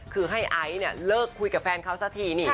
คือให้ไอเนี่ยเลิกคุยกับแฟนเขาซะที